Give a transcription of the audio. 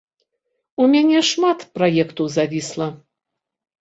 У мяне шмат праектаў завісла.